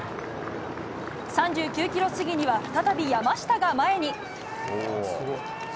３９キロ過ぎには、再び、山下が前に。